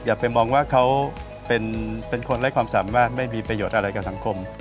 อย่าไปมองว่าเขาเป็นคนไร้ความสามารถไม่มีประโยชน์อะไรกับสังคม